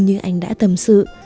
như anh đã tâm sự